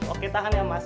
oke tahan ya mas